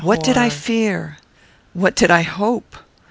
What did I fear? What did I hope?